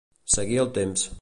Seguir el temps.